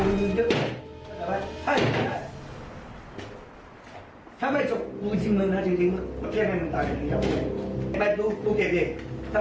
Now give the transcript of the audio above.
มีคุณแทนด้วยมีคุณแทนผิดคุกได้ด้วยเชื่อไหม